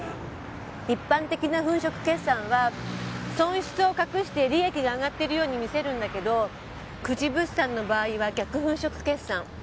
一般的な粉飾決算は損失を隠して利益が上がってるように見せるんだけど久慈物産の場合は逆粉飾決算。